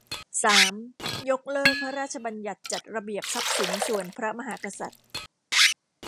สาม ยกเลิก พระราชบัญญัติจัดระเบียบทรัพย์สินส่วนพระมหากษัตริย์